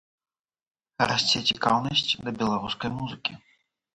Расце цікаўнасць да беларускай музыкі.